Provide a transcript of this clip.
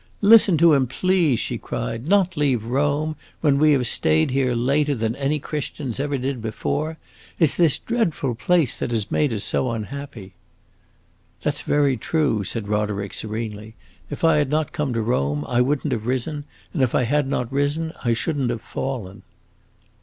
"Listen to him, please!" she cried. "Not leave Rome, when we have staid here later than any Christians ever did before! It 's this dreadful place that has made us so unhappy." "That 's very true," said Roderick, serenely. "If I had not come to Rome, I would n't have risen, and if I had not risen, I should n't have fallen."